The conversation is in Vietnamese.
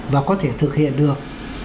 và có thể thực hiện được